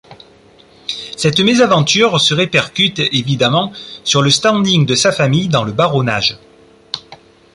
Cette mésaventure se répercute évidemment sur le standing de sa famille dans le baronnage.